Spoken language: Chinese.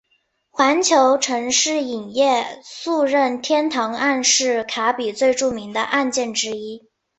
环球城市影业诉任天堂案是卡比最著名的案件之一。